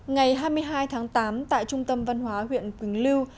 ngày hai mươi hai tháng tám tại trung tâm văn hóa huyện quỳnh lưu